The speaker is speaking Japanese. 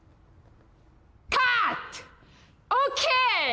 カット！ＯＫ！